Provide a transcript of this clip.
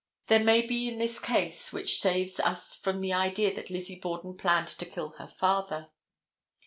There may be that in this case which saves us from the idea that Lizzie Borden planned to kill her father.